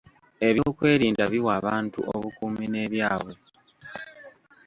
Ebyokwerinda biwa abantu obukuumi n'ebyabwe.